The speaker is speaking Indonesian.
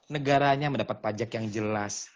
negaranya mendapat pajak yang jelas